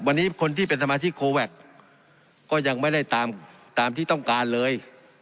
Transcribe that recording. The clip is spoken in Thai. วันนี้คนที่เป็นสมาชิกโคแวคก็ยังไม่ได้ตามตามที่ต้องการเลย